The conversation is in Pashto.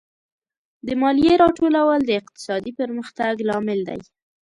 د مالیې راټولول د اقتصادي پرمختګ لامل دی.